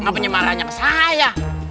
ngapainnya malah nyampe saya